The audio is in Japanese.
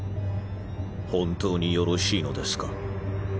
本当によろしいのですか？